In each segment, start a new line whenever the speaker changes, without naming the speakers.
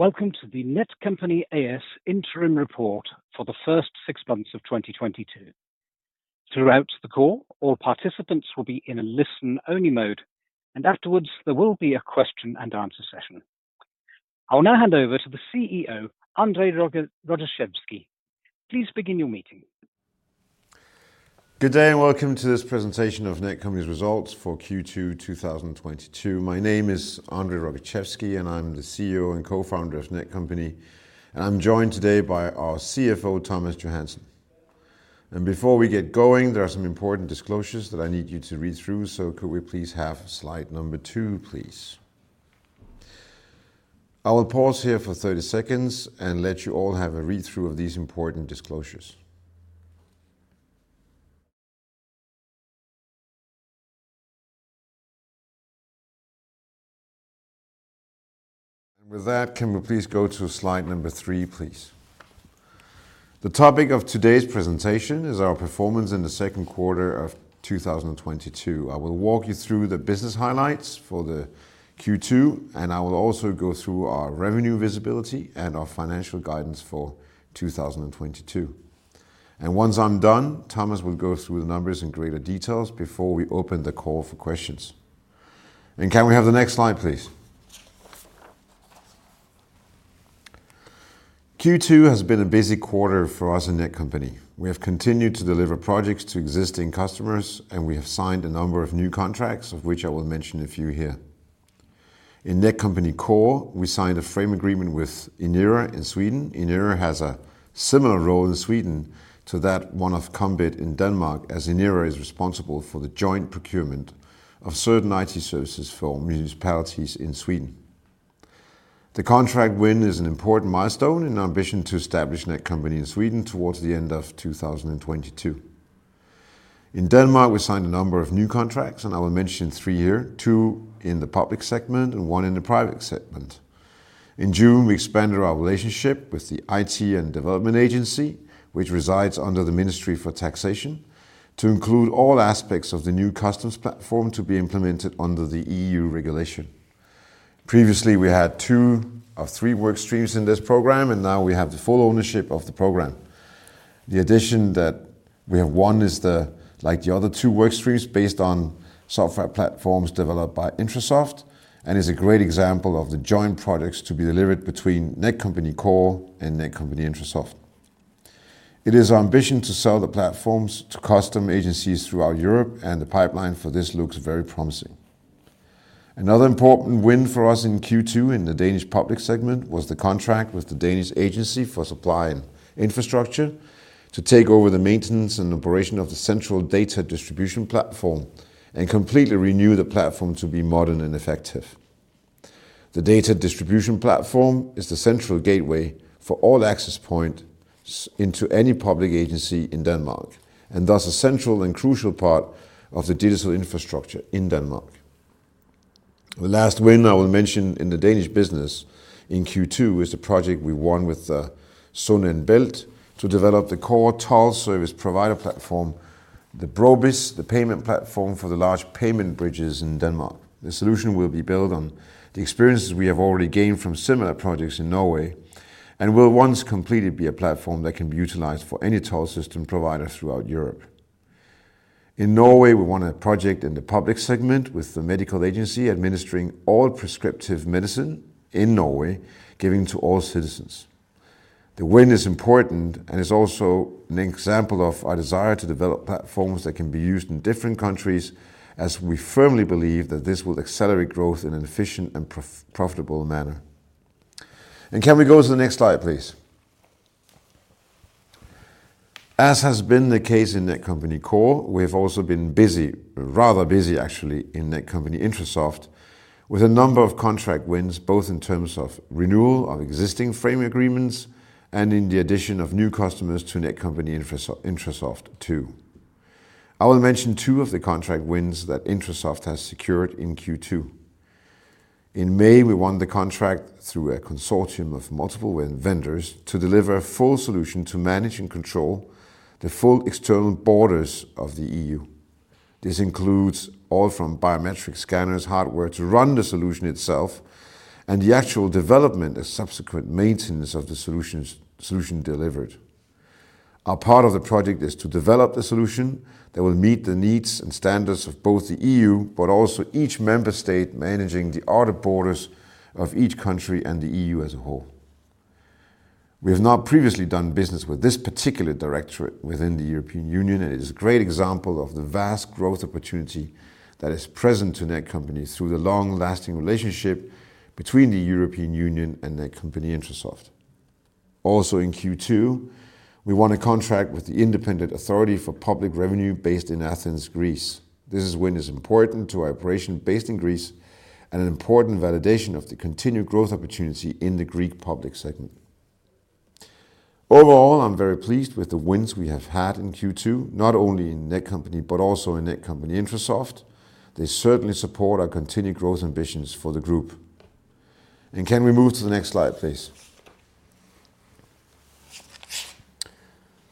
Welcome to the Netcompany A/S interim report for the first six months of 2022. Throughout the call, all participants will be in a listen-only mode, and afterwards there will be a question and answer session. I will now hand over to the CEO, André Rogaczewski. Please begin your meeting.
Good day, and welcome to this presentation of Netcompany's results for Q2 2022. My name is André Rogaczewski, and I'm the CEO and co-founder of Netcompany. I'm joined today by our CFO, Thomas Johansen. Before we get going, there are some important disclosures that I need you to read through. Could we please have slide number two, please? I will pause here for 30 seconds and let you all have a read through of these important disclosures. With that, can we please go to slide number three, please. The topic of today's presentation is our performance in the second quarter of 2022. I will walk you through the business highlights for the Q2, and I will also go through our revenue visibility and our financial guidance for 2022. Once I'm done, Thomas will go through the numbers in greater details before we open the call for questions. Can we have the next slide, please? Q2 has been a busy quarter for us in Netcompany. We have continued to deliver projects to existing customers, and we have signed a number of new contracts, of which I will mention a few here. In Netcompany Core, we signed a frame agreement with Inera in Sweden. Inera has a similar role in Sweden to that one of KOMBIT in Denmark, as Inera is responsible for the joint procurement of certain IT services for municipalities in Sweden. The contract win is an important milestone in our ambition to establish Netcompany in Sweden towards the end of 2022. In Denmark, we signed a number of new contracts, and I will mention three here, two in the public segment and one in the private segment. In June, we expanded our relationship with the IT and Development Agency, which resides under the Ministry of Taxation, to include all aspects of the new customs platform to be implemented under the EU regulation. Previously, we had two of three work streams in this program, and now we have the full ownership of the program. The addition that we have won is the, like the other two work streams based on software platforms developed by Intrasoft and is a great example of the joint products to be delivered between Netcompany Core and Netcompany-Intrasoft. It is our ambition to sell the platforms to customs agencies throughout Europe, and the pipeline for this looks very promising. Another important win for us in Q2 in the Danish public segment was the contract with the Danish Agency for Data Supply and Infrastructure to take over the maintenance and operation of the central data distribution platform and completely renew the platform to be modern and effective. The data distribution platform is the central gateway for all access points into any public agency in Denmark, and thus a central and crucial part of the digital infrastructure in Denmark. The last win I will mention in the Danish business in Q2 is the project we won with the Sund & Bælt to develop the core toll service provider platform, the BroBizz, the payment platform for the large payment bridges in Denmark. The solution will be built on the experiences we have already gained from similar projects in Norway and will once completely be a platform that can be utilized for any toll system provider throughout Europe. In Norway, we won a project in the public segment with the medical agency administering all prescriptive medicine in Norway given to all citizens. The win is important and is also an example of our desire to develop platforms that can be used in different countries, as we firmly believe that this will accelerate growth in an efficient and profitable manner. Can we go to the next slide, please? As has been the case in Netcompany Core, we have also been busy, rather busy actually, in Netcompany-Intrasoft with a number of contract wins, both in terms of renewal of existing frame agreements and in the addition of new customers to Netcompany-Intrasoft too. I will mention two of the contract wins that Intrasoft has secured in Q2. In May, we won the contract through a consortium of multiple vendors to deliver a full solution to manage and control the full external borders of the EU. This includes all from biometric scanners, hardware to run the solution itself, and the actual development and subsequent maintenance of the solution delivered. Our part of the project is to develop the solution that will meet the needs and standards of both the EU but also each member state managing the outer borders of each country and the EU as a whole. We have not previously done business with this particular directorate within the European Union, and it is a great example of the vast growth opportunity that is present to Netcompany through the long-lasting relationship between the European Union and Netcompany-Intrasoft. Also in Q2, we won a contract with the Independent Authority for Public Revenue based in Athens, Greece. This win is important to our operation based in Greece and an important validation of the continued growth opportunity in the Greek public sector. Overall, I'm very pleased with the wins we have had in Q2, not only in Netcompany but also in Netcompany-Intrasoft. They certainly support our continued growth ambitions for the group. Can we move to the next slide, please?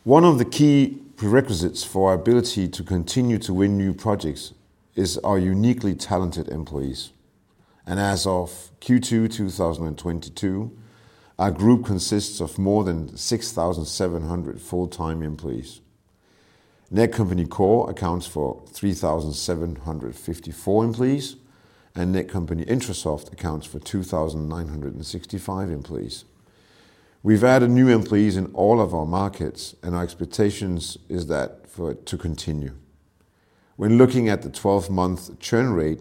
One of the key prerequisites for our ability to continue to win new projects is our uniquely talented employees. As of Q2, 2022, our group consists of more than 6,700 full-time employees. Netcompany Core accounts for 3,754 employees, and Netcompany-Intrasoft accounts for 2,965 employees. We've added new employees in all of our markets, and our expectations is that for it to continue. When looking at the 12-month churn rate,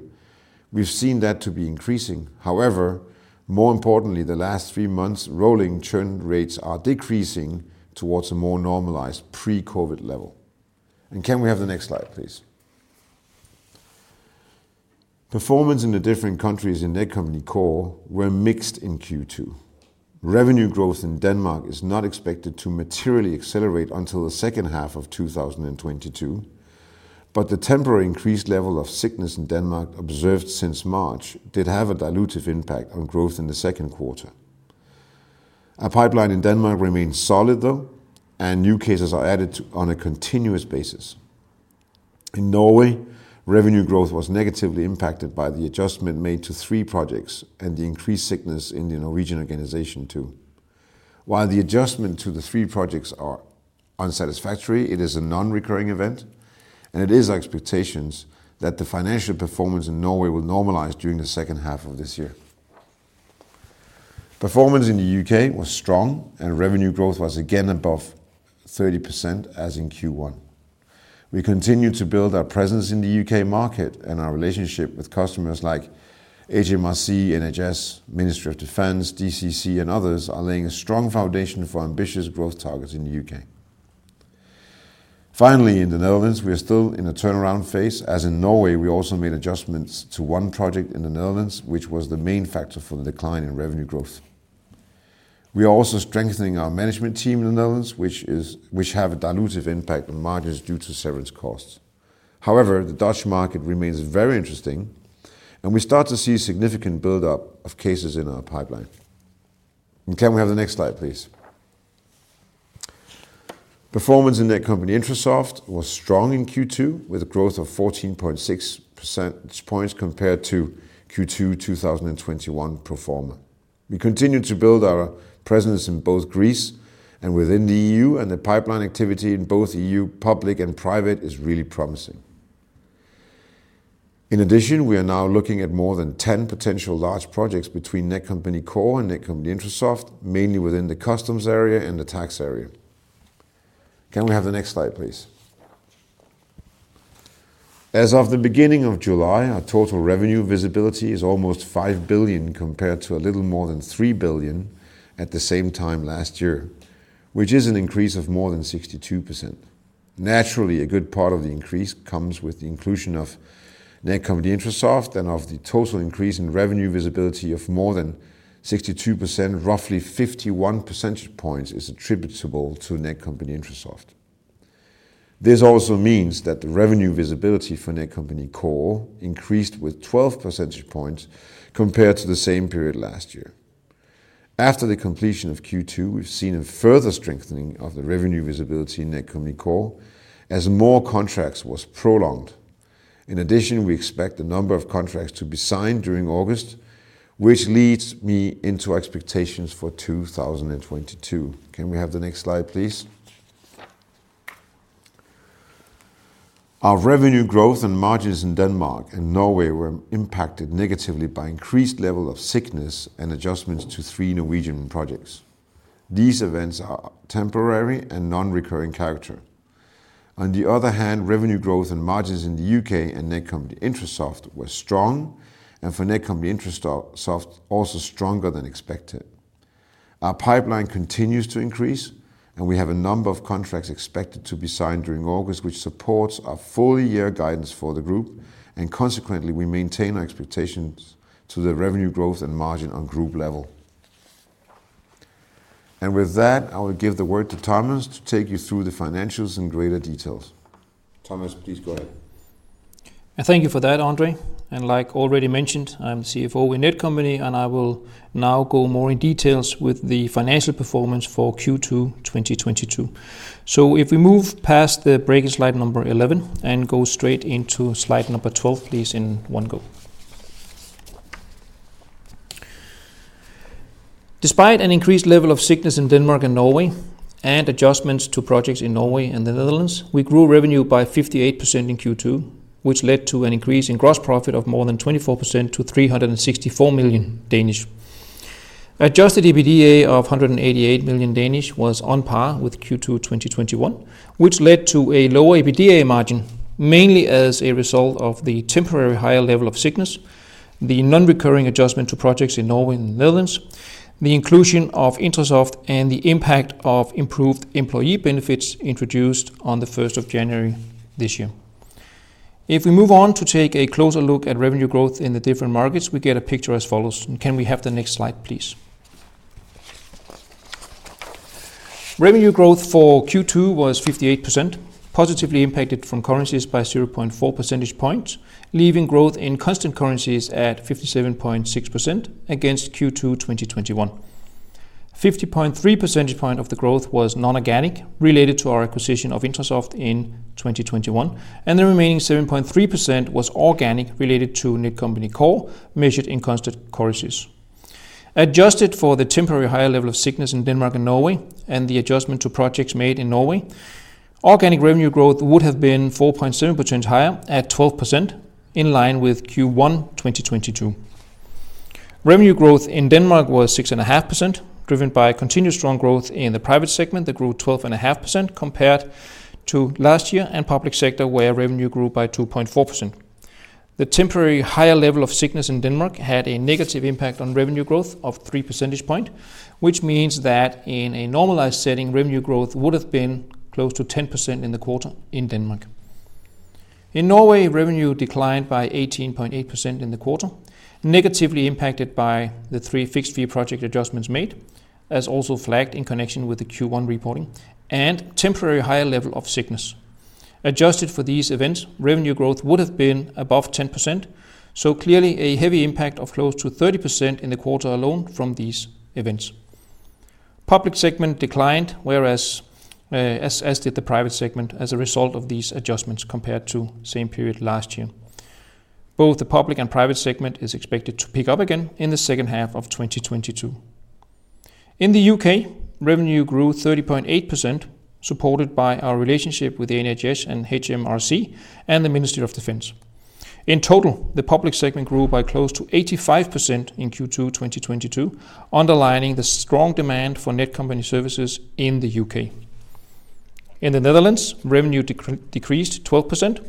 we've seen that to be increasing. However, more importantly, the last three months rolling churn rates are decreasing towards a more normalized pre-COVID level. Can we have the next slide, please? Performance in the different countries in Netcompany Core were mixed in Q2. Revenue growth in Denmark is not expected to materially accelerate until the second half of 2022, but the temporary increased level of sickness in Denmark observed since March did have a dilutive impact on growth in the second quarter. Our pipeline in Denmark remains solid, though, and new cases are added to on a continuous basis. In Norway, revenue growth was negatively impacted by the adjustment made to three projects and the increased sickness in the Norwegian organization too. While the adjustment to the three projects are unsatisfactory, it is a non-recurring event, and it is our expectations that the financial performance in Norway will normalize during the second half of this year. Performance in the U.K. was strong, and revenue growth was again above 30%, as in Q1. We continue to build our presence in the U.K. market, and our relationship with customers like HMRC, NHS, Ministry of Defence, DCC, and others are laying a strong foundation for ambitious growth targets in the U.K. FInally, in the Netherlands, we are still in a turnaround phase. As in Norway, we also made adjustments to one project in the Netherlands, which was the main factor for the decline in revenue growth. We are also strengthening our management team in the Netherlands, which have a dilutive impact on margins due to severance costs. However, the Dutch market remains very interesting, and we start to see significant buildup of cases in our pipeline. Can we have the next slide, please? Performance in Netcompany-Intrasoft was strong in Q2, with a growth of 14.6 percentage points compared to Q2 2021 pro forma. We continue to build our presence in both Greece and within the EU, and the pipeline activity in both EU public and private is really promising. In addition, we are now looking at more than 10 potential large projects between Netcompany Core and Netcompany-Intrasoft, mainly within the customs area and the tax area. Can we have the next slide, please? As of the beginning of July, our total revenue visibility is almost 5 billion compared to a little more than 3 billion at the same time last year, which is an increase of more than 62%. Naturally, a good part of the increase comes with the inclusion of Netcompany-Intrasoft and of the total increase in revenue visibility of more than 62%. Roughly 51 percentage points is attributable to Netcompany-Intrasoft. This also means that the revenue visibility for Netcompany Core increased with 12 percentage points compared to the same period last year. After the completion of Q2, we've seen a further strengthening of the revenue visibility in Netcompany Core as more contracts was prolonged. In addition, we expect the number of contracts to be signed during August, which leads me into our expectations for 2022. Can we have the next slide, please? Our revenue growth and margins in Denmark and Norway were impacted negatively by increased level of sickness and adjustments to three Norwegian projects. These events are temporary and non-recurring character. On the other hand, revenue growth and margins in the UK and Netcompany-Intrasoft were strong, and for Netcompany-Intrasoft, also stronger than expected. Our pipeline continues to increase, and we have a number of contracts expected to be signed during August, which supports our full-year guidance for the group, and consequently, we maintain our expectations to the revenue growth and margin on group level. With that, I will give the word to Thomas to take you through the financials in greater details. Thomas, please go ahead.
Thank you for that, André. Like already mentioned, I'm CFO in Netcompany, and I will now go more in details with the financial performance for Q2 2022. If we move past the breaking slide number 11 and go straight into slide number 12, please, in one go. Despite an increased level of sickness in Denmark and Norway and adjustments to projects in Norway and the Netherlands, we grew revenue by 58% in Q2, which led to an increase in gross profit of more than 24% to 364 million. Adjusted EBITDA of 188 million was on par with Q2 2021, which led to a lower EBITDA margin, mainly as a result of the temporary higher level of sickness, the non-recurring adjustment to projects in Norway and the Netherlands, the inclusion of Intrasoft, and the impact of improved employee benefits introduced on the first of January this year. If we move on to take a closer look at revenue growth in the different markets, we get a picture as follows. Can we have the next slide, please? Revenue growth for Q2 was 58%, positively impacted from currencies by 0.4 percentage points, leaving growth in constant currencies at 57.6% against Q2 2021. 50.3 percentage points of the growth was non-organic related to our acquisition of Intrasoft in 2021, and the remaining 7.3% was organic related to Netcompany Core, measured in constant currencies. Adjusted for the temporary higher level of sickness in Denmark and Norway and the adjustment to projects made in Norway, organic revenue growth would have been 4.7% higher at 12% in line with Q1 2022. Revenue growth in Denmark was 6.5%, driven by continued strong growth in the private segment that grew 12.5% compared to last year, and public sector, where revenue grew by 2.4%. The temporary higher level of sickness in Denmark had a negative impact on revenue growth of 3 percentage points, which means that in a normalized setting, revenue growth would have been close to 10% in the quarter in Denmark. In Norway, revenue declined by 18.8% in the quarter, negatively impacted by the three fixed-fee project adjustments made, as also flagged in connection with the Q1 reporting and temporary higher level of sickness. Adjusted for these events, revenue growth would have been above 10%, so clearly a heavy impact of close to 30% in the quarter alone from these events. Public segment declined, whereas, as did the private segment as a result of these adjustments compared to same period last year. Both the public and private segment is expected to pick up again in the second half of 2022. In the U.K., revenue grew 30.8%, supported by our relationship with the NHS and HMRC and the Ministry of Defence. In total, the public segment grew by close to 85% in Q2 2022, underlining the strong demand for Netcompany services in the U.K. In the Netherlands, revenue decreased 12%,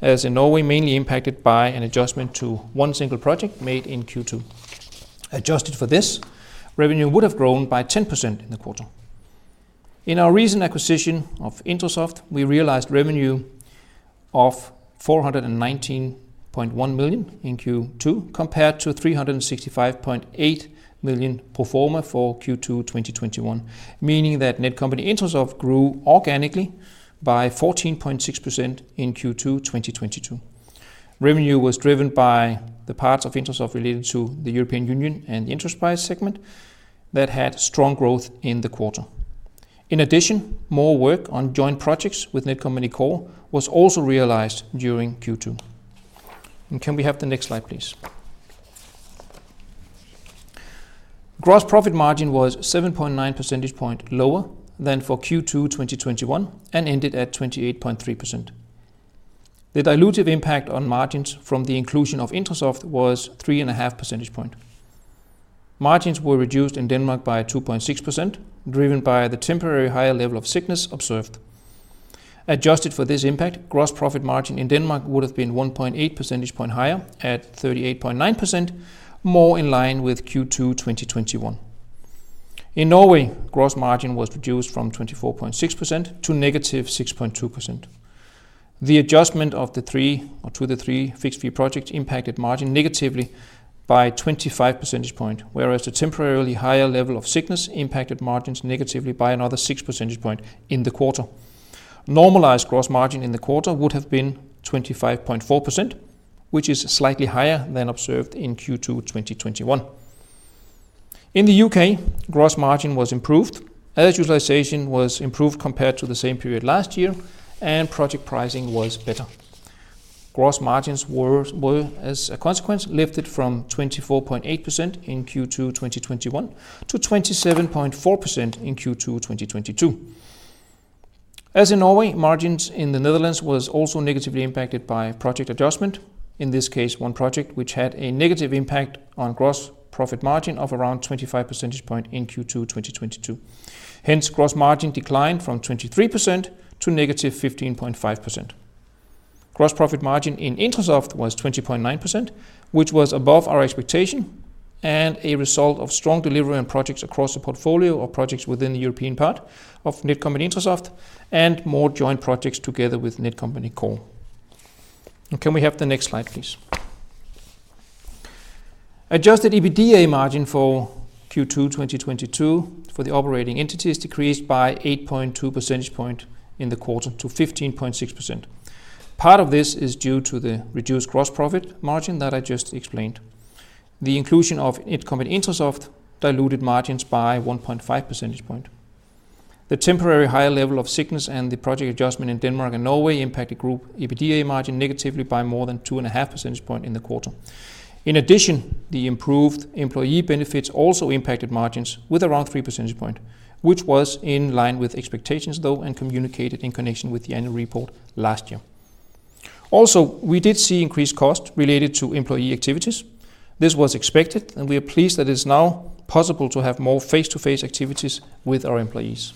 as in Norway, mainly impacted by an adjustment to one single project made in Q2. Adjusted for this, revenue would have grown by 10% in the quarter. In our recent acquisition of Intrasoft, we realized revenue of 419.1 million in Q2 compared to 365.8 million pro forma for Q2 2021, meaning that Netcompany-Intrasoft grew organically by 14.6% in Q2 2022. Revenue was driven by the parts of Intrasoft related to the European Union and the Intrasoft segment that had strong growth in the quarter. In addition, more work on joint projects with Netcompany Core was also realized during Q2. Can we have the next slide, please? Gross profit margin was 7.9 percentage point lower than for Q2 2021 and ended at 28.3%. The dilutive impact on margins from the inclusion of Intrasoft was 3.5 percentage point. Margins were reduced in Denmark by 2.6%, driven by the temporary higher level of sickness observed. Adjusted for this impact, gross profit margin in Denmark would have been 1.8 percentage point higher at 38.9%, more in line with Q2 2021. In Norway, gross margin was reduced from 24.6% to -6.2%. The adjustment of the three fixed-fee projects impacted margin negatively by 25 percentage point, whereas the temporarily higher level of sickness impacted margins negatively by another 6 percentage point in the quarter. Normalized gross margin in the quarter would have been 25.4%, which is slightly higher than observed in Q2 2021. In the U.K., gross margin was improved as utilization was improved compared to the same period last year and project pricing was better. Gross margins were as a consequence lifted from 24.8% in Q2 2021 to 27.4% in Q2 2022. As in Norway, margins in the Netherlands was also negatively impacted by project adjustment. In this case, one project which had a negative impact on gross profit margin of around 25 percentage point in Q2 2022. Hence, gross margin declined from 23% to -15.5%. Gross profit margin in Intrasoft was 20.9%, which was above our expectation and a result of strong delivery on projects across the portfolio of projects within the European part of Netcompany-Intrasoft and more joint projects together with Netcompany Core. Can we have the next slide, please? Adjusted EBITDA margin for Q2 2022 for the operating entities decreased by 8.2 percentage point in the quarter to 15.6%. Part of this is due to the reduced gross profit margin that I just explained. The inclusion of Netcompany-Intrasoft diluted margins by 1.5 percentage point. The temporary higher level of sickness and the project adjustment in Denmark and Norway impacted group EBITDA margin negatively by more than 2.5 percentage points in the quarter. In addition, the improved employee benefits also impacted margins with around 3 percentage points, which was in line with expectations, though, and communicated in connection with the annual report last year. Also, we did see increased costs related to employee activities. This was expected, and we are pleased that it's now possible to have more face-to-face activities with our employees.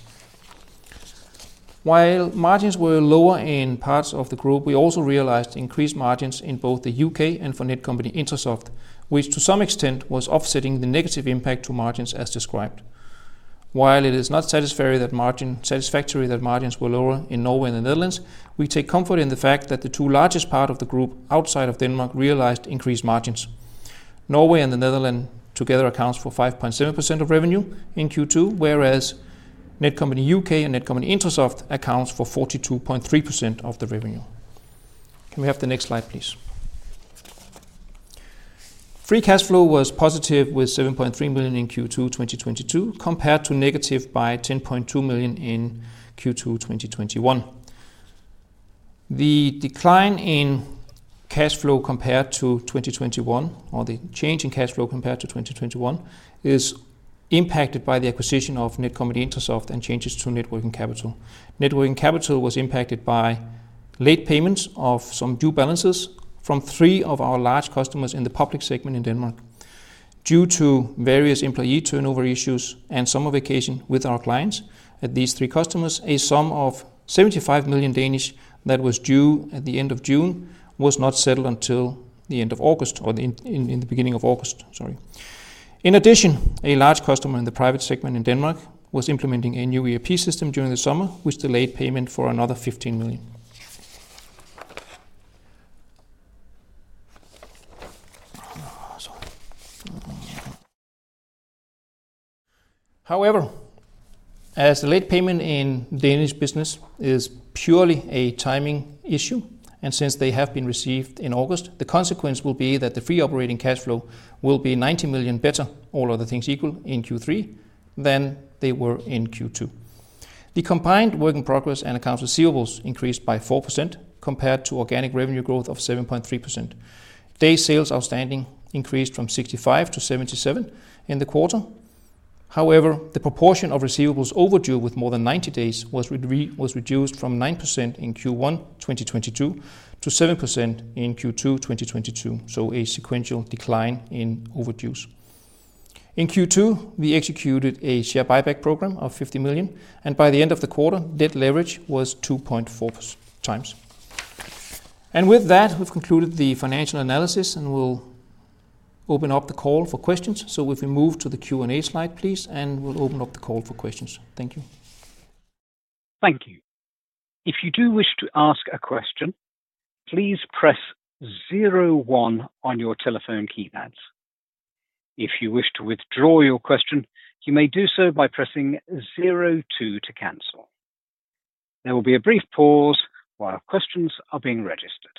While margins were lower in parts of the group, we also realized increased margins in both the U.K. and for Netcompany-Intrasoft, which to some extent was offsetting the negative impact to margins as described. While it is not satisfactory that margins were lower in Norway and the Netherlands, we take comfort in the fact that the two largest part of the group outside of Denmark realized increased margins. Norway and the Netherlands together accounts for 5.7% of revenue in Q2, whereas Netcompany U.K. and Netcompany-Intrasoft accounts for 42.3% of the revenue. Can we have the next slide, please? Free cash flow was positive with 7.3 million in Q2 2022 compared to negative 10.2 million in Q2 2021. The decline in cash flow compared to 2021 or the change in cash flow compared to 2021 is impacted by the acquisition of Netcompany-Intrasoft and changes to net working capital. Net working capital was impacted by late payments of some due balances from three of our large customers in the public segment in Denmark due to various employee turnover issues and summer vacation with our clients at these three customers. A sum of 75 million that was due at the end of June was not settled until the end of August or in the beginning of August, sorry. In addition, a large customer in the private segment in Denmark was implementing a new ERP system during the summer, which delayed payment for another 15 million. However, as the late payment in Danish business is purely a timing issue, and since they have been received in August, the consequence will be that the free operating cash flow will be 90 million better, all other things equal in Q3 than they were in Q2. The combined work in progress and accounts receivables increased by 4% compared to organic revenue growth of 7.3%. Day sales outstanding increased from 65% to 77% in the quarter. However, the proportion of receivables overdue with more than 90 days was reduced from 9% in Q1 2022 to 7% in Q2 2022. A sequential decline in overdues. In Q2, we executed a share buyback program of 50 million, and by the end of the quarter, debt leverage was 2.4x. With that, we've concluded the financial analysis, and we'll open up the call for questions. If we move to the Q&A slide, please, and we'll open up the call for questions. Thank you.
Thank you. If you do wish to ask a question, please press zero one on your telephone keypads. If you wish to withdraw your question, you may do so by pressing zero two to cancel. There will be a brief pause while questions are being registered.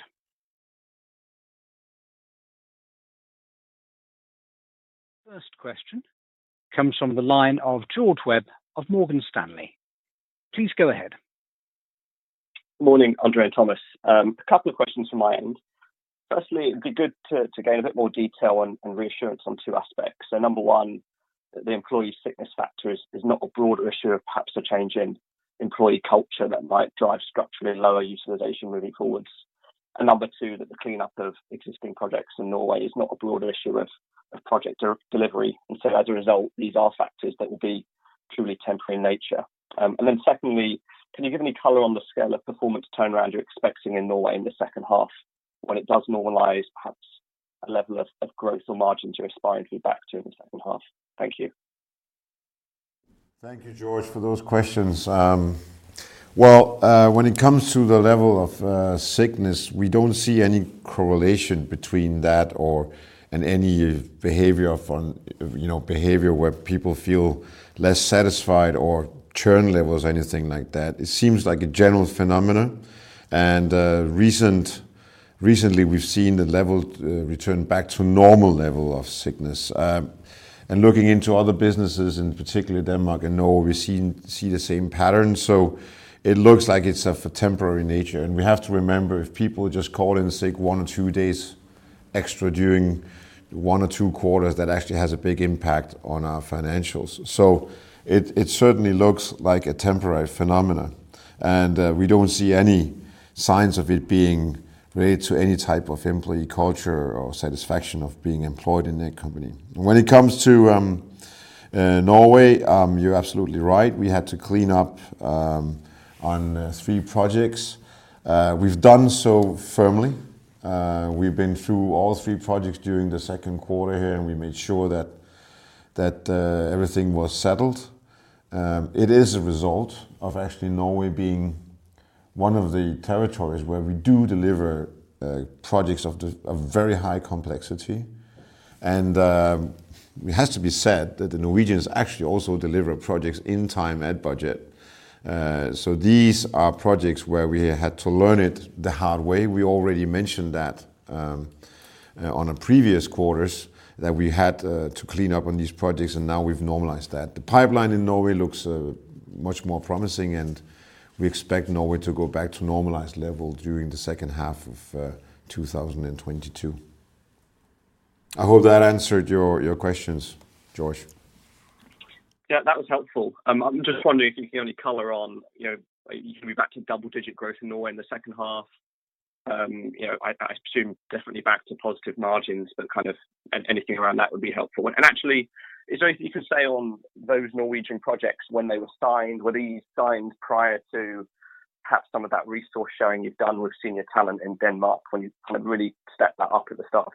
First question comes from the line of George Webb of Morgan Stanley. Please go ahead.
Morning, André and Thomas. A couple of questions from my end. Firstly, it'd be good to gain a bit more detail on reassurance on two aspects. Number one, the employee sickness factor is not a broader issue of perhaps a change in employee culture that might drive structurally lower utilization moving forwards. Number two, that the cleanup of existing projects in Norway is not a broader issue of project delivery. As a result, these are factors that will be truly temporary in nature. Secondly, can you give any color on the scale of performance turnaround you're expecting in Norway in the second half when it does normalize, perhaps a level of growth or margin to aspire to be back to in the second half? Thank you.
Thank you, George, for those questions. Well, when it comes to the level of sickness, we don't see any correlation between that or and any behavior from, you know, where people feel less satisfied or churn levels or anything like that. It seems like a general phenomenon. Recently, we've seen the level return back to normal level of sickness. Looking into other businesses, in particular Denmark and Norway, we've seen the same pattern. It looks like it's of a temporary nature. We have to remember, if people just call in sick one or two days extra during one or two quarters, that actually has a big impact on our financials. It certainly looks like a temporary phenomenon, and we don't see any signs of it being related to any type of employee culture or satisfaction of being employed in Netcompany. When it comes to Norway, you're absolutely right. We had to clean up on three projects. We've done so firmly. We've been through all three projects during the second quarter here, and we made sure that everything was settled. It is a result of actually Norway being one of the territories where we do deliver projects of very high complexity. It has to be said that the Norwegians actually also deliver projects in time at budget. These are projects where we had to learn it the hard way. We already mentioned that in previous quarters we had to clean up on these projects, and now we've normalized that. The pipeline in Norway looks much more promising, and we expect Norway to go back to normalized level during the second half of 2022. I hope that answered your questions, George.
Yeah, that was helpful. I'm just wondering if you can give any color on, you know, you can be back to double-digit growth in Norway in the second half. You know, I assume definitely back to positive margins, but kind of anything around that would be helpful. Actually, is there anything you can say on those Norwegian projects when they were signed? Were these signed prior to perhaps some of that resource sharing you've done with senior talent in Denmark when you kind of really stepped that up at the start of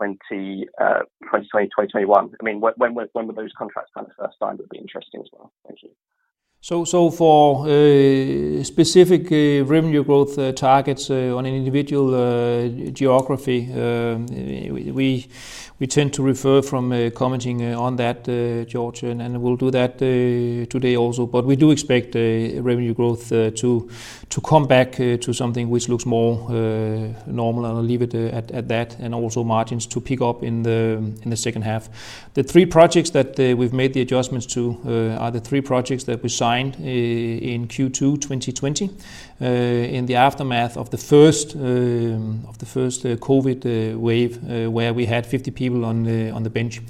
2021? I mean, when were those contracts kind of first signed would be interesting as well. Thank you.
For specific revenue growth targets on an individual geography, we tend to refrain from commenting on that, George, and we'll do that today also. We do expect a revenue growth to come back to something which looks more normal, and I'll leave it at that, and also margins to pick up in the second half. The three projects that we've made the adjustments to are the three projects that we signed in Q2 2020 in the aftermath of the first COVID wave, where we had 50 people on the bench.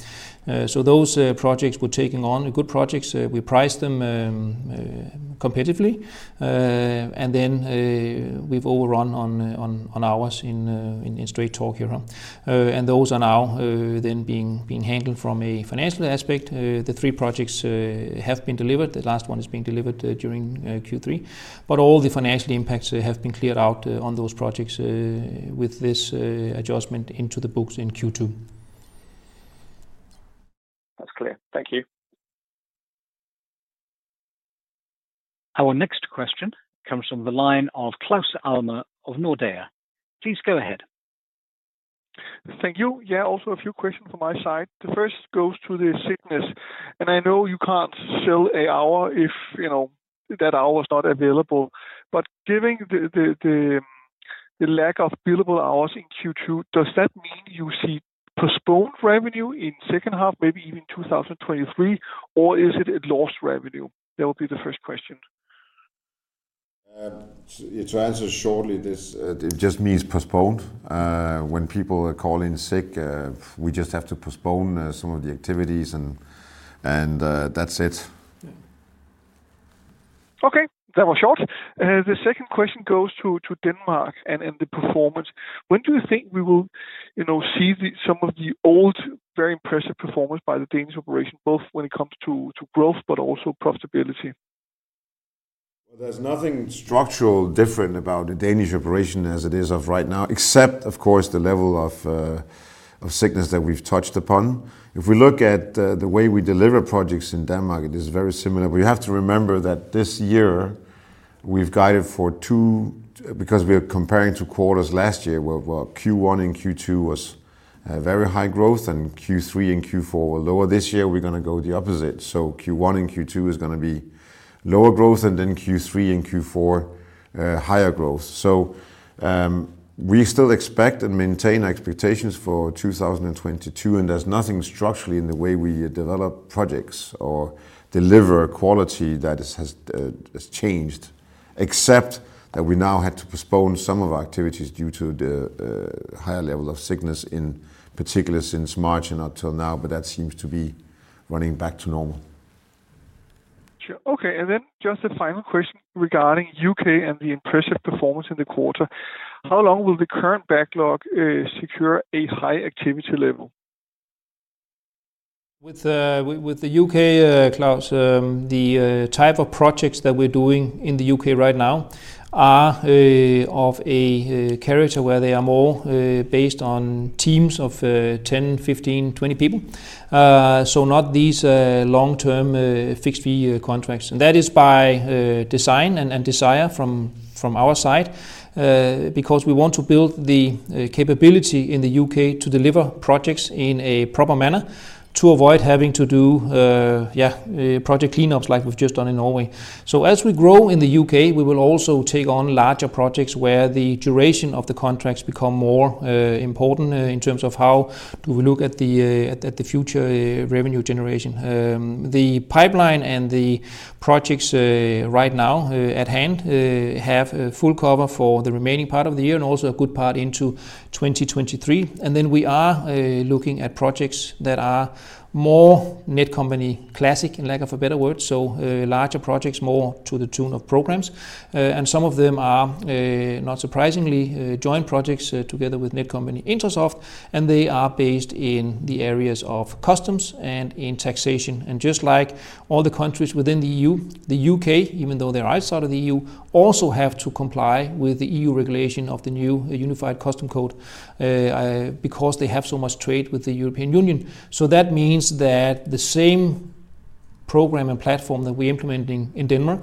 Those projects we're taking on are good projects. We priced them competitively. We've overrun on hours in straight talk here. Those are now being handled from a financial aspect. The three projects have been delivered. The last one is being delivered during Q3. All the financial impacts have been cleared out on those projects with this adjustment into the books in Q2.
That's clear. Thank you.
Our next question comes from the line of Claus Almer of Nordea. Please go ahead.
Thank you. Yeah, also a few questions from my side. The first goes to the sickness, and I know you can't sell a hour if, you know, that hour is not available. But given the lack of billable hours in Q2, does that mean you see postponed revenue in second half, maybe even 2023? Or is it a lost revenue? That would be the first question.
To answer shortly this, it just means postponed. When people are calling sick, we just have to postpone some of the activities and that's it.
Okay. That was short. The second question goes to Denmark and the performance. When do you think we will, you know, see some of the old very impressive performance by the Danish operation, both when it comes to growth, but also profitability?
Well, there's nothing structural different about the Danish operation as it is right now, except of course the level of sickness that we've touched upon. If we look at the way we deliver projects in Denmark, it is very similar. We have to remember that this year we've guided for two. Because we are comparing to quarters last year, where Q1 and Q2 was very high growth and Q3 and Q4 were lower. This year we're gonna go the opposite. Q1 and Q2 is gonna be lower growth, and then Q3 and Q4 higher growth. We still expect and maintain expectations for 2022, and there's nothing structurally in the way we develop projects or deliver quality that has changed, except that we now had to postpone some of our activities due to the higher level of sickness in particular since March and until now. That seems to be running back to normal.
Sure. Okay. Just a final question regarding U.K. and the impressive performance in the quarter. How long will the current backlog secure a high activity level?
With the U.K., Claus, the type of projects that we're doing in the U.K. right now are of a character where they are more based on teams of 10, 15, 20 people. Not these long-term fixed-fee contracts. That is by design and desire from our side, because we want to build the capability in the U.K. to deliver projects in a proper manner to avoid having to do project cleanups like we've just done in Norway. As we grow in the U.K., we will also take on larger projects where the duration of the contracts become more important in terms of how do we look at the future revenue generation. The pipeline and the projects right now at hand have a full cover for the remaining part of the year and also a good part into 2023. Then we are looking at projects that are more Netcompany classic, for lack of a better word, so larger projects more to the tune of programs. Some of them are, not surprisingly, joint projects together with Netcompany-Intrasoft, and they are based in the areas of customs and in taxation. Just like all the countries within the EU, the U.K., even though they're outside of the EU, also have to comply with the EU regulation of the new Union Customs Code because they have so much trade with the European Union. That means that the same program and platform that we're implementing in Denmark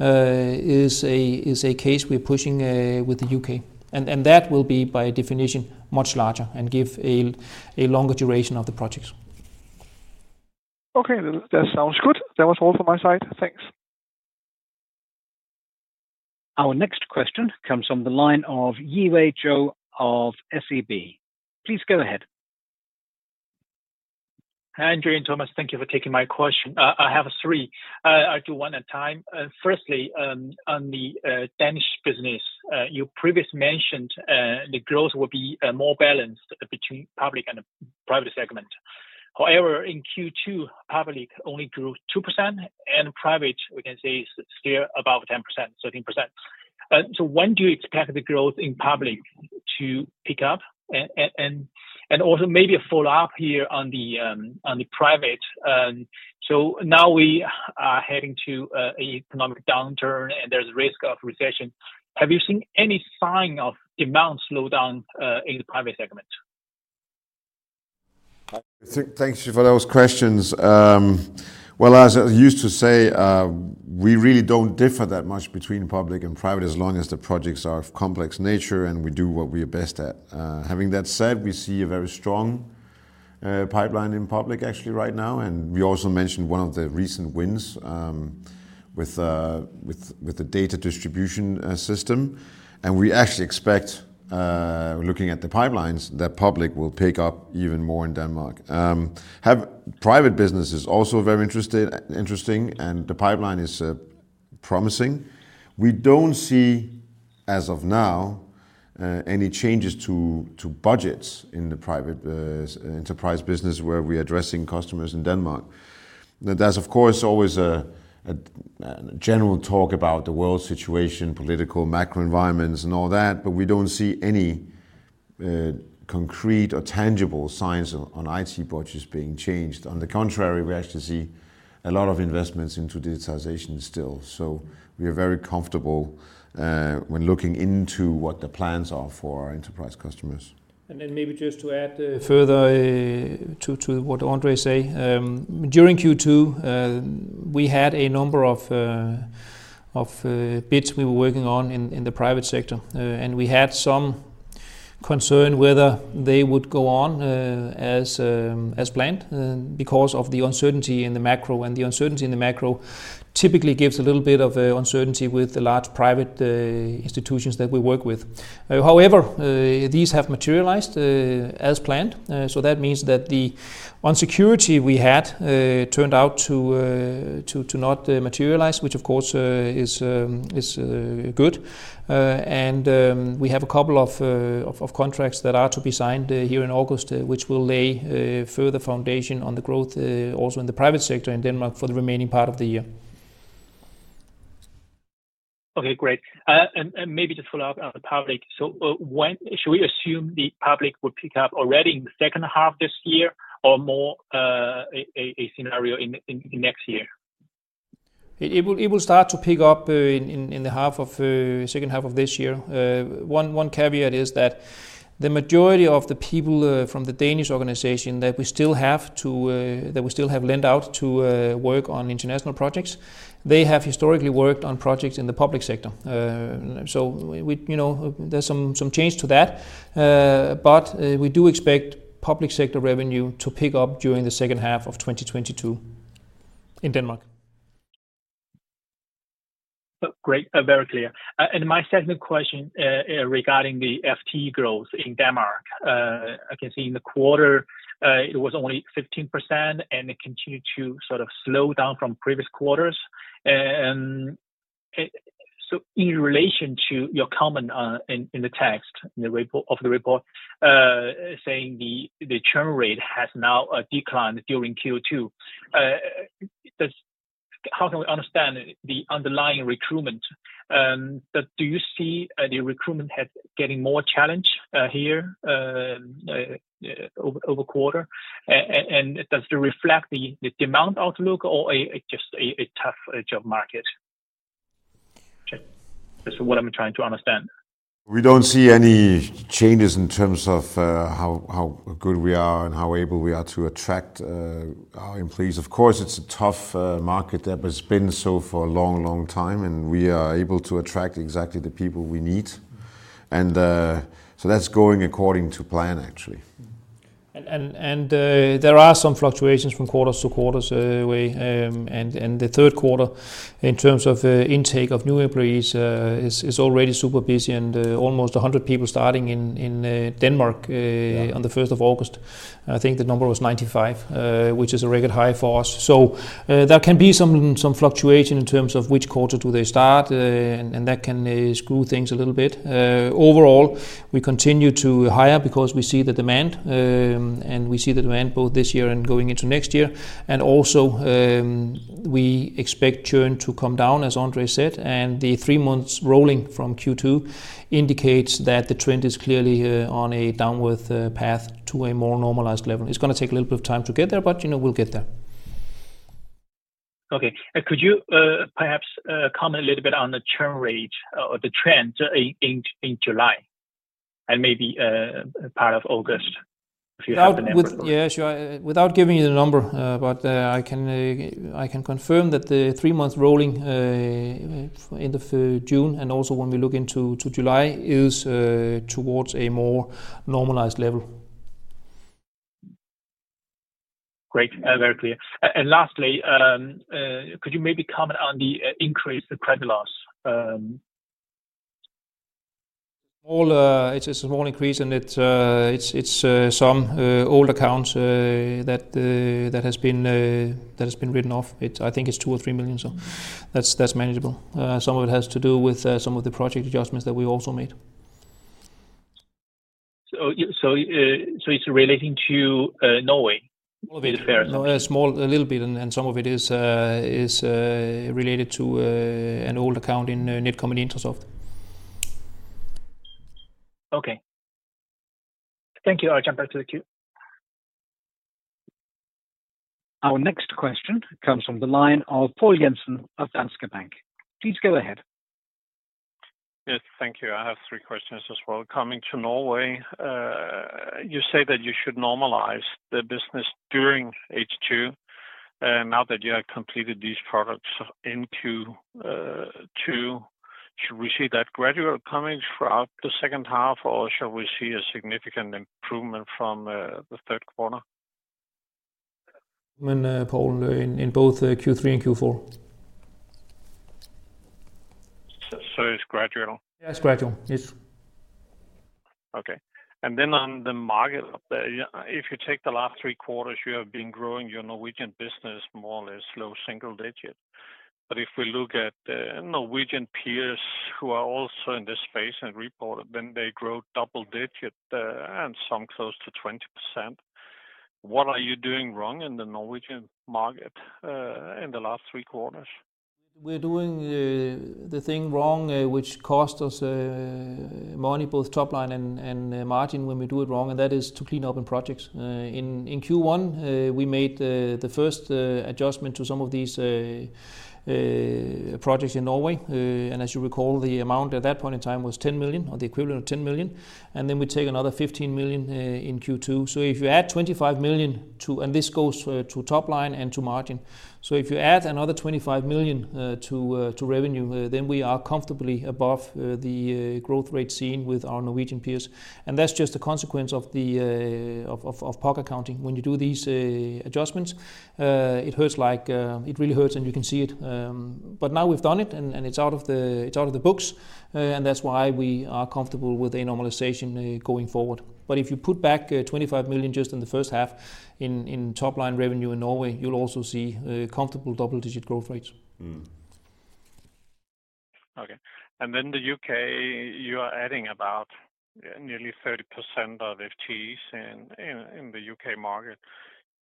is a case we're pushing with the U.K. That will be by definition much larger and give a longer duration of the projects.
Okay. That sounds good. That was all from my side. Thanks.
Our next question comes from the line of Yiwei Zhou of SEB. Please go ahead.
Hi, André and Thomas. Thank you for taking my question. I have three. I'll do one at a time. Firstly, on the Danish business. You previously mentioned the growth will be more balanced between public and private segment. However, in Q2, public only grew 2% and private we can say is still above 10%, 13%. So when do you expect the growth in public to pick up? And also maybe a follow-up here on the private. So now we are heading to economic downturn and there's risk of recession. Have you seen any sign of demand slowdown in the private segment?
Thank you for those questions. Well, as I used to say, we really don't differ that much between public and private, as long as the projects are of complex nature and we do what we are best at. Having that said, we see a very strong pipeline in public actually right now. We also mentioned one of the recent wins with the data distribution system. We actually expect, looking at the pipelines that public will pick up even more in Denmark. Private business is also very interesting, and the pipeline is promising. We don't see, as of now, any changes to budgets in the private enterprise business where we're addressing customers in Denmark. There's of course always a general talk about the world situation, political, macro environments and all that, but we don't see any concrete or tangible signs on IT budgets being changed. On the contrary, we actually see a lot of investments into digitization still. We are very comfortable when looking into what the plans are for our enterprise customers.
Maybe just to add further to what André says. During Q2, we had a number of bids we were working on in the private sector. We had some concern whether they would go on as planned because of the uncertainty in the macro. The uncertainty in the macro typically gives a little bit of uncertainty with the large private institutions that we work with. However, these have materialized as planned. So that means that the uncertainty we had turned out to not materialize, which of course is good. We have a couple of contracts that are to be signed here in August, which will lay further foundation on the growth also in the private sector in Denmark for the remaining part of the year.
Okay, great. Maybe just follow up on the public. When should we assume the public will pick up already in the second half this year or more, a scenario in next year?
It will start to pick up in the second half of this year. One caveat is that the majority of the people from the Danish organization that we still have lent out to work on international projects, they have historically worked on projects in the public sector. We, you know, there's some change to that. We do expect public sector revenue to pick up during the second half of 2022 in Denmark.
Great. Very clear. My second question regarding the FTE growth in Denmark. I can see in the quarter it was only 15%, and it continued to sort of slow down from previous quarters. In relation to your comment in the report saying the churn rate has now declined during Q2. How can we understand the underlying recruitment? Do you see the recruitment has getting more challenged here over quarter? And does it reflect the demand outlook or just a tough job market? Just what I'm trying to understand.
We don't see any changes in terms of how good we are and how able we are to attract our employees. Of course, it's a tough market that has been so for a long, long time, and we are able to attract exactly the people we need. That's going according to plan actually.
There are some fluctuations from quarters-to-quarters, and the third quarter in terms of intake of new employees is already super busy and almost 100 people starting in Denmark.
Yeah
On the 1st of August. I think the number was 95, which is a record high for us. There can be some fluctuation in terms of which quarter do they start, and that can screw things a little bit. Overall, we continue to hire because we see the demand, and we see the demand both this year and going into next year. We expect churn to come down, as André said, and the three months rolling from Q2 indicates that the trend is clearly on a downward path to a more normalized level. It's gonna take a little bit of time to get there, but you know, we'll get there.
Okay. Could you perhaps comment a little bit on the churn rate or the trend in July and maybe part of August if you have the numbers?
Yeah, sure. Without giving you the number, but I can confirm that the three months rolling end of June and also when we look into July is towards a more normalized level.
Great. Very clear. Lastly, could you maybe comment on the increase, the credit loss?
It's a small increase, and it's some old accounts that has been written off. It's, I think it's 2 million or 3 million. That's manageable. Some of it has to do with some of the project adjustments that we also made.
It's relating to Norway comparison?
A little bit. Some of it is related to an old account in Netcompany and Intrasoft.
Okay. Thank you. I'll jump back to the queue.
Our next question comes from the line of Poul Jensen of Danske Bank. Please go ahead.
Yes. Thank you. I have three questions as well. Coming to Norway, you say that you should normalize the business during H2, now that you have completed these products in Q2. Should we see that gradual coming throughout the second half or shall we see a significant improvement from the third quarter?
Poul Jensen, in both Q3 and Q4.
It's gradual?
Yes, gradual. Yes.
Okay. On the market up there, if you take the last three quarters, you have been growing your Norwegian business more or less low single-digit. If we look at the Norwegian peers who are also in this space and reported, then they grow double-digit, and some close to 20%. What are you doing wrong in the Norwegian market, in the last three quarters?
We're doing the thing wrong, which cost us money, both top line and margin when we do it wrong, and that is to clean open projects. In Q1, we made the first adjustment to some of these projects in Norway. As you recall, the amount at that point in time was 10 million or the equivalent of 10 million. We take another 15 million in Q2. If you add 25 million, this goes to top line and to margin. If you add another 25 million to revenue, then we are comfortably above the growth rate seen with our Norwegian peers. That's just a consequence of project accounting. When you do these adjustments, it hurts like it really hurts and you can see it. Now we've done it and it's out of the books, and that's why we are comfortable with a normalization going forward. If you put back 25 million just in the first half in top line revenue in Norway, you'll also see comfortable double-digit growth rates.
The U.K., you are adding about nearly 30% of FTEs in the U.K. market.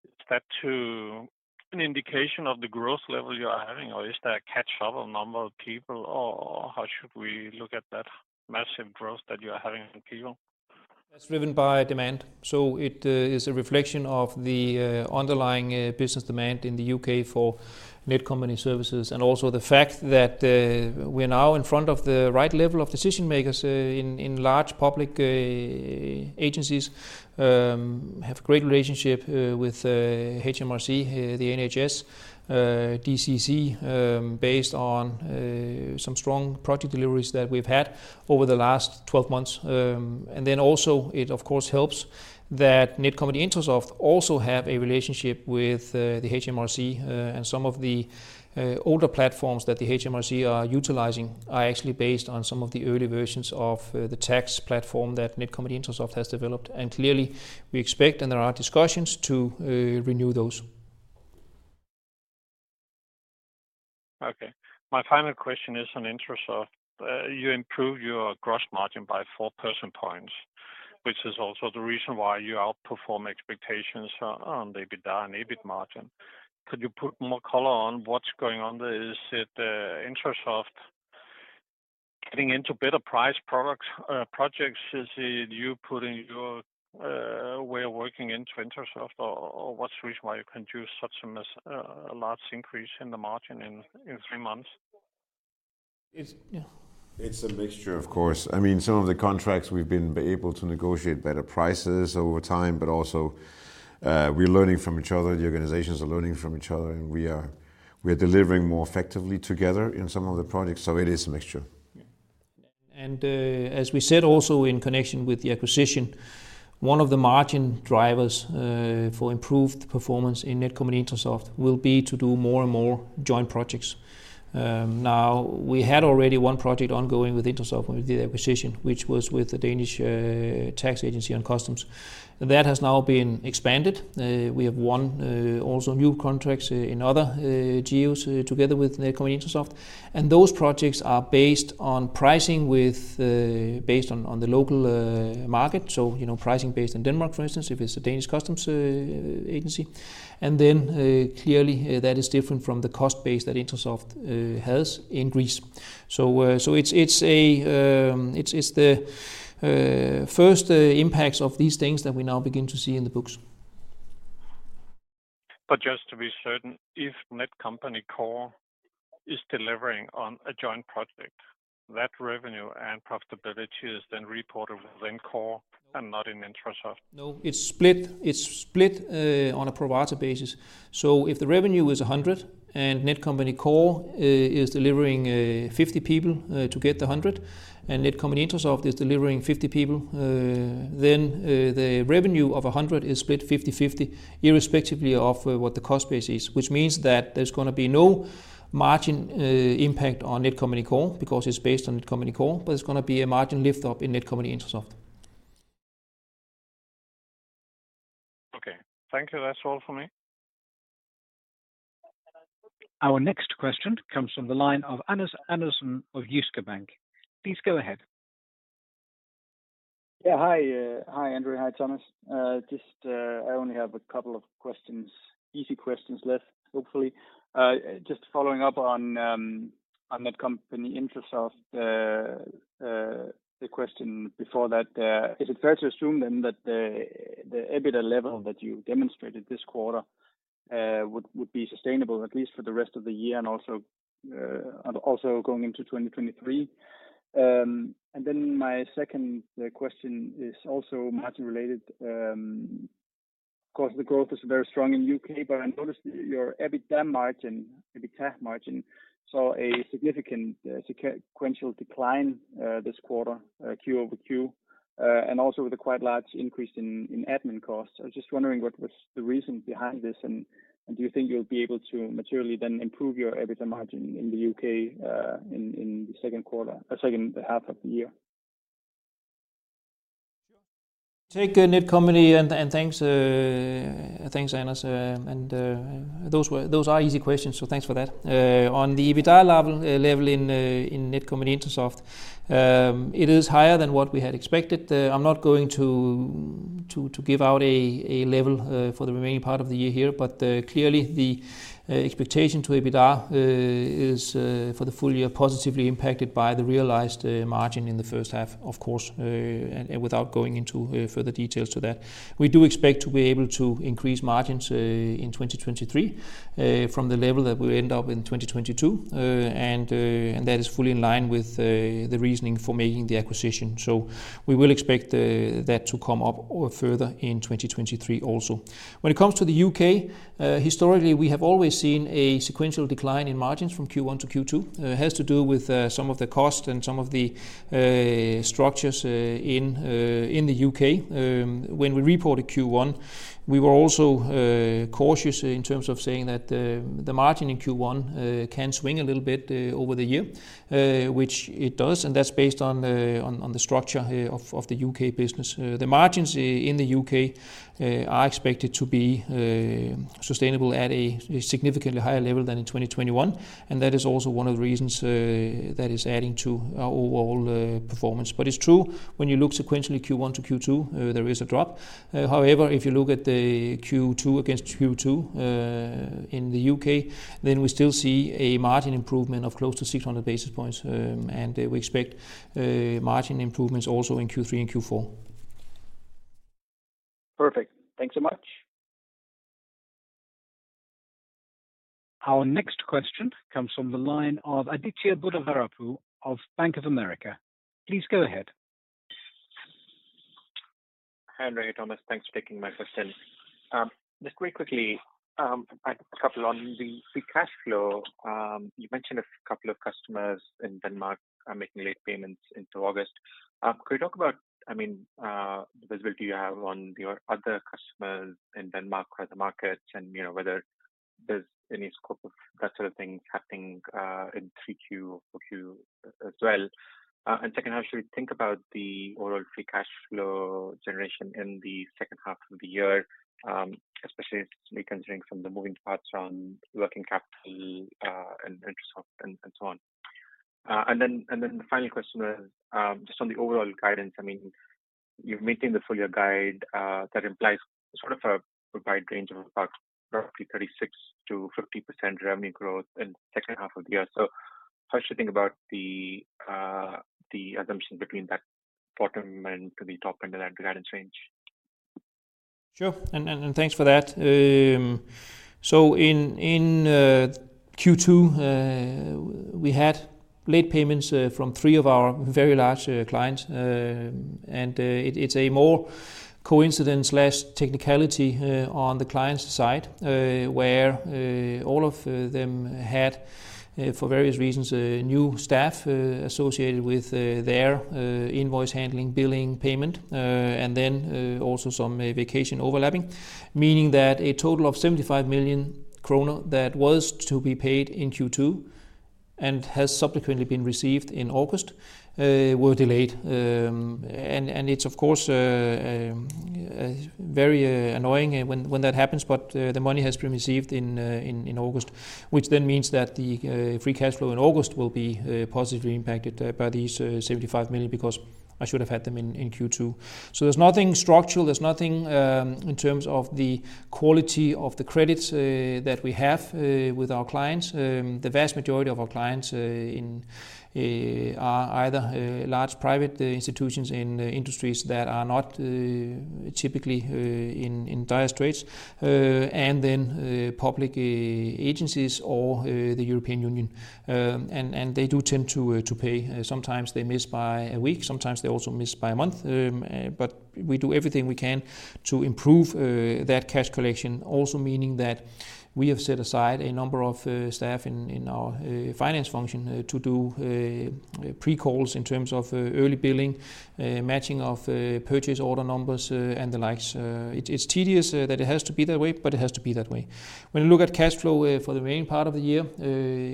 Is that an indication of the growth level you are having or is there a catch-up of number of people, or how should we look at that massive growth that you are having in Q?
That's driven by demand. It is a reflection of the underlying business demand in the U.K. for Netcompany services and also the fact that we're now in front of the right level of decision-makers in large public agencies. Have great relationship with HMRC, the NHS, DCC, based on some strong project deliveries that we've had over the last 12 months. It of course helps that Netcompany-Intrasoft also have a relationship with the HMRC, and some of the older platforms that the HMRC are utilizing are actually based on some of the early versions of the tax platform that Netcompany-Intrasoft has developed. Clearly we expect, and there are discussions to renew those.
Okay. My final question is on Intrasoft. You improved your gross margin by 4 percentage points, which is also the reason why you outperform expectations on the EBITDA and EBIT margin. Could you put more color on what's going on? Is it Intrasoft getting into better-priced products, projects? Is it you putting your way of working into Intrasoft or what's the reason why you can do such a large increase in the margin in three months?
It's a mixture, of course. I mean, some of the contracts we've been able to negotiate better prices over time, but also, we're learning from each other, the organizations are learning from each other, and we are delivering more effectively together in some of the projects, so it is a mixture.
Yeah. As we said also in connection with the acquisition, one of the margin drivers for improved performance in Netcompany-Intrasoft will be to do more and more joint projects. Now we had already one project ongoing with Intrasoft when we did the acquisition, which was with the Danish Tax Agency on customs. That has now been expanded. We have won also new contracts in other geos together with Netcompany-Intrasoft. Those projects are based on pricing based on the local market. You know, pricing based in Denmark, for instance, if it's a Danish Tax Agency. Then, clearly, that is different from the cost base that Intrasoft has in Greece. It's the first impacts of these things that we now begin to see in the books.
Just to be certain, if Netcompany Core is delivering on a joint project, that revenue and profitability is then reported within Core and not in Intrasoft?
No, it's split on a provider basis. If the revenue is 100 and Netcompany Core is delivering 50 people to get the 100, and Netcompany-Intrasoft is delivering 50 people, then the revenue of 100 is split 50-50 irrespective of what the cost base is, which means that there's gonna be no margin impact on Netcompany Core because it's based on Netcompany Core, but it's gonna be a margin lift up in Netcompany-Intrasoft.
Okay. Thank you. That's all for me.
Our next question comes from the line of Anders Andersen of Jyske Bank. Please go ahead.
Hi, André. Hi, Thomas. Just, I only have a couple of easy questions left, hopefully. Just following up on Netcompany-Intrasoft, the question before that. Is it fair to assume then that the EBITDA level that you demonstrated this quarter would be sustainable at least for the rest of the year and also going into 2023. Then my second question is also margin related. Of course, the growth is very strong in U.K., but I noticed your EBITDA margin, EBITA margin, saw a significant sequential decline this quarter, Q-over-Q. And also with a quite large increase in admin costs. I was just wondering what was the reason behind this, and do you think you'll be able to materially then improve your EBITDA margin in the U.K., in the second quarter or second half of the year?
Thanks, Anders Andersen. Those are easy questions, so thanks for that. On the EBITDA level in Netcompany-Intrasoft, it is higher than what we had expected. I'm not going to give out a level for the remaining part of the year here. Clearly the expectation to EBITDA is for the full year positively impacted by the realized margin in the first half, of course, and without going into further details to that. We do expect to be able to increase margins in 2023 from the level that we end up in 2022. That is fully in line with the reasoning for making the acquisition. We will expect that to come up or further in 2023 also. When it comes to the U.K., historically we have always seen a sequential decline in margins from Q1 to Q2. It has to do with some of the cost and some of the structures in the U.K. When we reported Q1, we were also cautious in terms of saying that the margin in Q1 can swing a little bit over the year, which it does, and that's based on the structure of the U.K. Business. The margins in the U.K. are expected to be sustainable at a significantly higher level than in 2021, and that is also one of the reasons that is adding to our overall performance. It's true, when you look sequentially Q1 to Q2, there is a drop. However, if you look at the Q2 against Q2 in the U.K., then we still see a margin improvement of close to 600 basis points. We expect margin improvements also in Q3 and Q4.
Perfect. Thanks so much.
Our next question comes from the line of Aditya Buddhavarapu of Bank of America. Please go ahead.
Hi, André, Thomas. Thanks for taking my question. Just very quickly, a couple on the free cash flow. You mentioned a couple of customers in Denmark are making late payments into August. Could you talk about, I mean, the visibility you have on your other customers in Denmark as a market and, you know, whether there's any scope of that sort of thing happening in Q3, Q4 as well? And second, how should we think about the overall free cash flow generation in the second half of the year, especially considering some of the moving parts around working capital, and interest and so on? The final question is, just on the overall guidance, I mean, you're maintaining the full-year guide, that implies sort of a wide range of about roughly 36%-50% revenue growth in the second half of the year. How should we think about the assumption between that bottom end to the top end of that guidance range?
Sure. Thanks for that. In Q2, we had late payments from three of our very large clients. It's more of a coincidence or technicality on the client's side, where all of them had, for various reasons, new staff associated with their invoice handling, billing, payment, and then also some vacation overlapping. Meaning that a total of 75 million kroner that was to be paid in Q2 and has subsequently been received in August were delayed. It's of course very annoying when that happens. The money has been received in August, which then means that the free cash flow in August will be positively impacted by these 75 million, because I should have had them in Q2. There's nothing structural. There's nothing in terms of the quality of the credits that we have with our clients. The vast majority of our clients are either large private institutions in industries that are not typically in dire straits, and then public agencies or the European Union. They do tend to pay. Sometimes they miss by a week, sometimes they also miss by a month. We do everything we can to improve that cash collection. Also meaning that we have set aside a number of staff in our finance function to do pre-calls in terms of early billing, matching of purchase order numbers, and the likes. It's tedious that it has to be that way, but it has to be that way. When you look at cash flow for the remaining part of the year,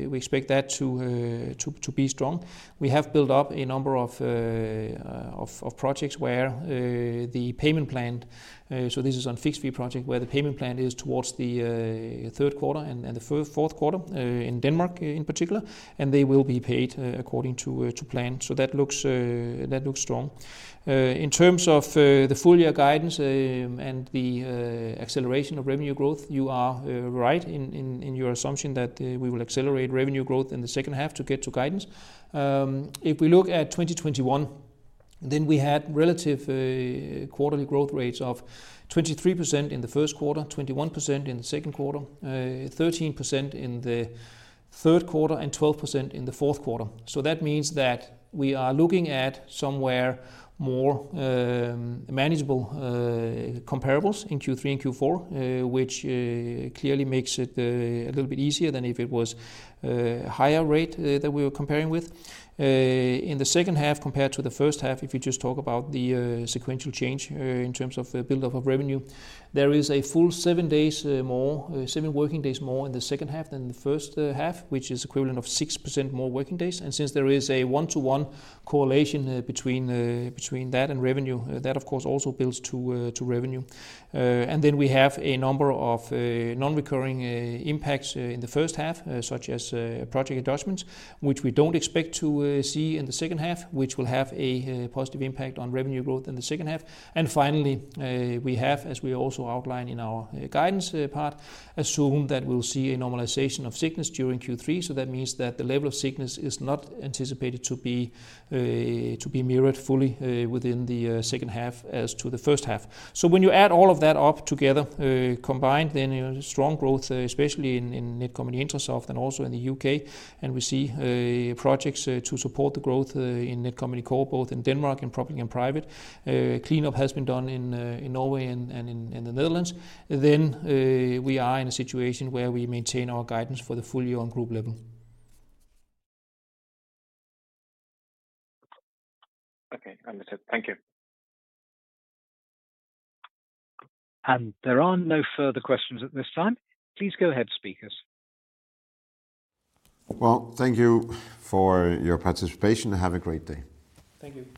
we expect that to be strong. We have built up a number of projects where the payment plan, so this is on fixed fee project, where the payment plan is towards the third quarter and the fourth quarter in Denmark in particular, and they will be paid according to plan. That looks strong. In terms of the full year guidance and the acceleration of revenue growth, you are right in your assumption that we will accelerate revenue growth in the second half to get to guidance. If we look at 2021, then we had relative quarterly growth rates of 23% in the first quarter, 21% in the second quarter, 13% in the third quarter, and 12% in the fourth quarter. That means that we are looking at somewhere more manageable comparables in Q3 and Q4, which clearly makes it a little bit easier than if it was higher rate that we were comparing with. In the second half compared to the first half, if you just talk about the sequential change in terms of the build-up of revenue, there is a full seven working days more in the second half than the first half, which is equivalent of 6% more working days. Since there is a one-to-one correlation between that and revenue, that of course also builds to revenue. Then we have a number of non-recurring impacts in the first half, such as project adjustments, which we don't expect to see in the second half, which will have a positive impact on revenue growth in the second half. Finally, we have, as we also outlined in our guidance part, assumed that we'll see a normalization of sickness during Q3. That means that the level of sickness is not anticipated to be mirrored fully within the second half as to the first half. When you add all of that up together combined, then you know strong growth especially in Netcompany-Intrasoft and also in the U.K., and we see projects to support the growth in Netcompany Core, both in Denmark and probably in private. Cleanup has been done in Norway and in the Netherlands. We are in a situation where we maintain our guidance for the full year on group level.
Okay. Understood. Thank you.
There are no further questions at this time. Please go ahead, speakers.
Well, thank you for your participation, and have a great day.
Thank you.